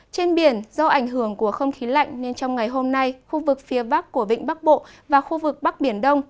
trên biển do ảnh hưởng của không khí lạnh nên trong ngày hôm nay khu vực phía bắc của vịnh bắc bộ và khu vực bắc biển đông